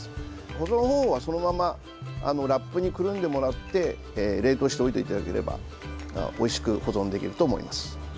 保存方法はそのままラップにくるんでもらって冷凍しておいていただければおいしく保存できると思います。